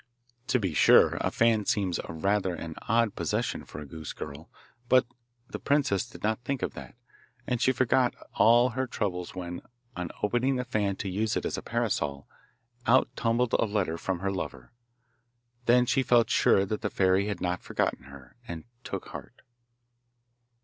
To be sure, a fan seems rather an odd possession for a goose girl, but the princess did not think of that, and she forgot all her troubles when, on opening the fan to use it as a parasol, out tumbled a letter from her lover. Then she felt sure that the fairy had not forgotten her, and took heart.